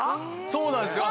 そうなんですよ。